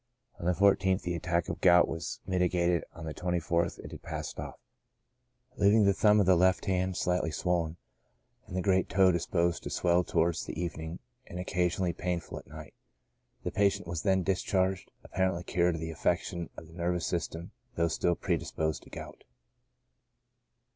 On the 14th the attack of gout was mitigated, and on the 24th it had passed off, leaving the thumb of the left hand slightly swollen, and the great toe disposed to swell towards the evening and occasionally painful at night. The patient was then discharged, apparently cured of the affection of the nervous system, though still predisposed to gout.